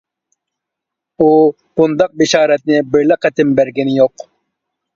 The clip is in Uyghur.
ئۇ بۇنداق بېشارەتنى بىرلا قېتىم بەرگىنى يوق.